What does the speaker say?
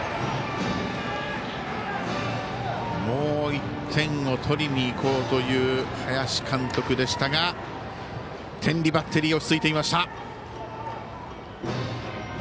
もう１点を取りにいこうという林監督でしたが天理バッテリー落ち着いていました。